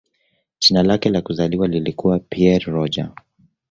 Jina lake la kuzaliwa lilikuwa "Pierre Roger".